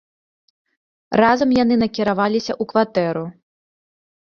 Разам яны накіраваліся ў кватэру.